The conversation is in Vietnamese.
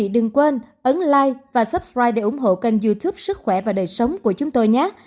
đừng quên ấn like và subscribe để ủng hộ kênh youtube sức khỏe và đời sống của chúng tôi nhé